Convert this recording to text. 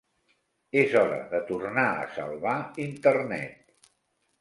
Es hora de tornar a salvar Internet.